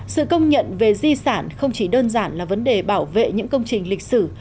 sự công nhận về di sản không chỉ đơn giản là vấn đề bảo vệ những công trình lịch sử